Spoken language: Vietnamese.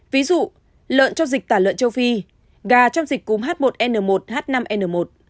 ví dụ lợn cho dịch tả lợn châu phi gà trong dịch cúm h một n một h năm n một